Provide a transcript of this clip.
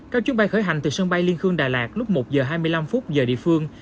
các chuyến bay khởi hành từ sân bay liên khương đà lạt lúc một giờ hai mươi năm giờ địa phương